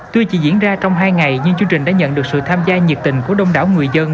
tuy chỉ diễn ra trong hai ngày nhưng chương trình đã nhận được sự tham gia nhiệt tình của đông đảo người dân